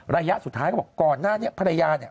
ระยะสุดท้ายก็บอกก่อนหน้านี้ภรรยาเนี่ย